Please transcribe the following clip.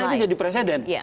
karena ini jadi presiden